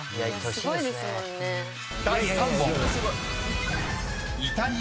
［第３問］